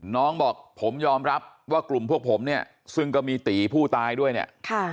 น้องบอกผมยอมรับว่ากลุ่มพวกผมเนี่ยซึ่งก็มีตีผู้ตายด้วยเนี่ย